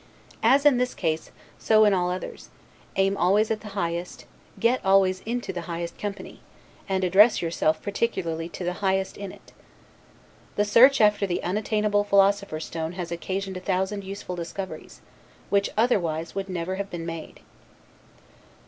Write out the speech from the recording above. As in this case, so in all others, aim always at the highest; get always into the highest company, and address yourself particularly to the highest in it. The search after the unattainable philosopher's stone has occasioned a thousand useful discoveries, which otherwise would never have been made.